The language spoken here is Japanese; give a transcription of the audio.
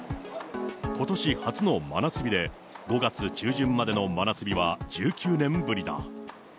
ことし初の真夏日で、５月中旬までの真夏日は１９年ぶりだ。